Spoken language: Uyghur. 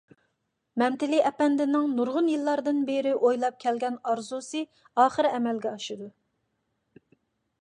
مەمتىلى ئەپەندىنىڭ نۇرغۇن يىللاردىن بېرى ئويلاپ كەلگەن ئارزۇسى ئاخىر ئەمەلگە ئاشىدۇ.